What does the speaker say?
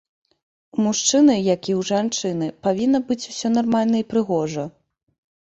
У мужчыны, як і ў жанчыны, павінна быць усё нармальна і прыгожа.